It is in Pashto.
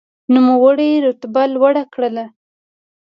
نوموړي رتبه لوړه کړه.